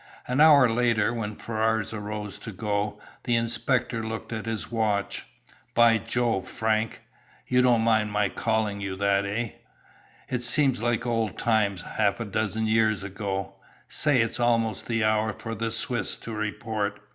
An hour later, when Ferrars arose to go, the inspector looked at his watch. "By Jove! Frank, you don't mind my calling you that, eh? It seems like old times, half a dozen years ago. Say, it's almost the hour for the Swiss to report.